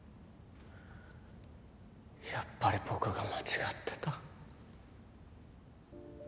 やっぱり僕が間違ってた。